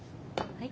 はい。